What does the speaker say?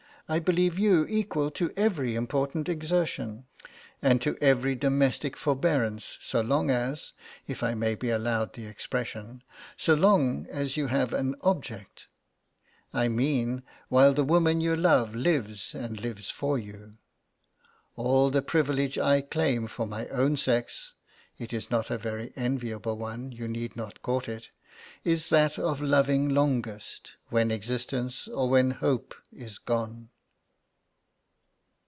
I believe you equal to every important exertion, and to every domestic forbearance so long as if I may be allowed the expression so long as you have an object; I mean while the woman you love lives and lives for you. _All the privilege I claim for my own sex (it is not a very enviable one, you need not court it) is that of loving longest when existence or when hope is gone.